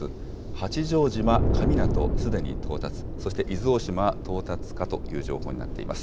八丈島神湊、すでに到達、そして伊豆大島は到達かという情報になっています。